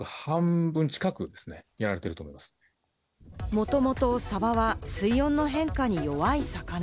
もともとサバは水温の変化に弱い魚。